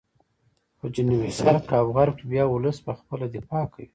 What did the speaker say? په جنوب شرق او غرب کې بیا ولس په خپله دفاع کوي.